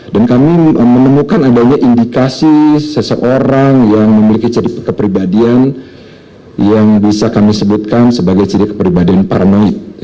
dan kami menemukan adanya indikasi seseorang yang memiliki ciri kepribadian yang bisa kami sebutkan sebagai ciri kepribadian paranoid